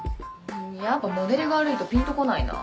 やっぱモデルが悪いとピンと来ないな。